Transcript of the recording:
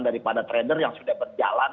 daripada trader yang sudah berjalan